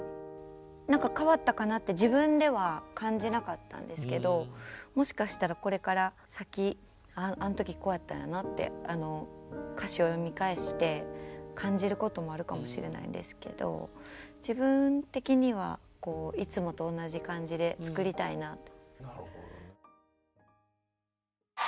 何か変わったかなって自分では感じなかったんですけどもしかしたらこれから先あん時こうやったんやなって歌詞を読み返して感じることもあるかもしれないですけど自分的にはいつもと同じ感じで作りたいなと。